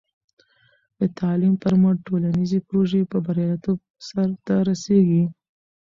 د تعلیم پر مټ، ټولنیزې پروژې په بریالیتوب سرته رسېږي.